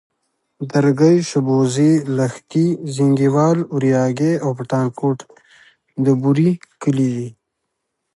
درگۍ، شبوزې، لښتي، زينگيوال، اورياگی او پټانکوټ د بوري کلي دي.